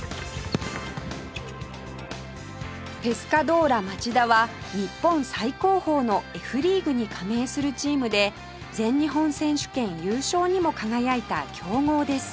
ペスカドーラ町田は日本最高峰の Ｆ リーグに加盟するチームで全日本選手権優勝にも輝いた強豪です